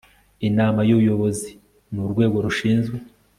inama y ubuyobozi ni urwego rushinzwe